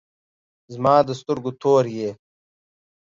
زما د سترګو تور یی